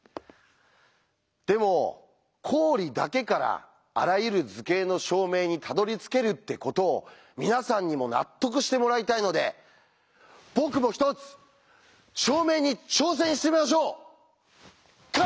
でも公理だけからあらゆる図形の証明にたどりつけるってことを皆さんにも納得してもらいたいので僕も１つ証明に挑戦してみましょうカモン！